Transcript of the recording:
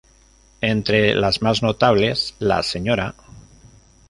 Entre las más notables, la Sra.